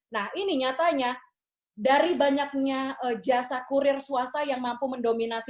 nah ini nyatanya dari banyaknya jasa kurir swasta yang mampu mendominasi